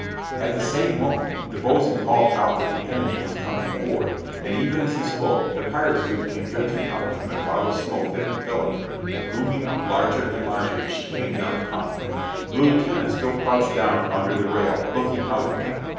At the same moment the boatswain called out that the enemy was coming aboard, and even as he spoke the pirate sloop came drifting out from the cloud of smoke that enveloped her, looming up larger and larger as she came down upon them. The lieutenant still crouched down under the rail, looking out at them.